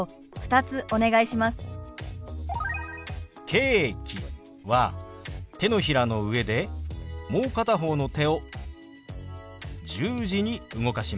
「ケーキ」は手のひらの上でもう片方の手を十字に動かします。